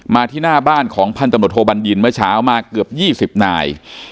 ที่หน้าบ้านของพันตำรวจโทบัญญินเมื่อเช้ามาเกือบ๒๐นาย